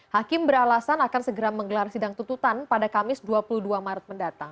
hakim beralasan akan segera menggelar sidang tututan pada kamis dua puluh dua maret mendatang